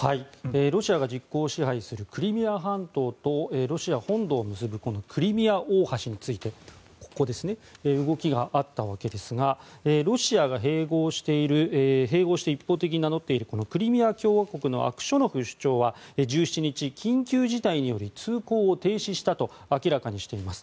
ロシアが実効支配するクリミア半島とロシア本土を結ぶクリミア大橋について動きがあったわけですがロシアが併合して一方的に名乗っているこのクリミア共和国のアクショノフ首長は１７日緊急事態により通行を停止したと明らかにしています。